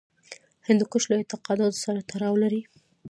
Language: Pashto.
هندوکش له اعتقاداتو سره تړاو لري.